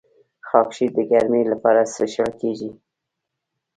خاکشیر د ګرمۍ لپاره څښل کیږي.